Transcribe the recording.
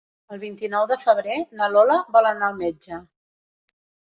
El vint-i-nou de febrer na Lola vol anar al metge.